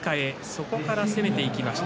そこから攻めていきました